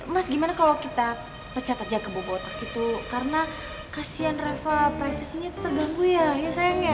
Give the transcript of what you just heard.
mas gimana kalo kita pecat aja kebobotak gitu karena kasian reva privacenya tuh terganggu ya ya sayang ya